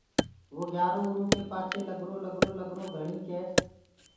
وو گھِيارو اُرو ڪي پآڇي لگرو لگرو لگرو گھڻي ڪيس۔